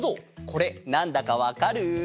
これなんだかわかる？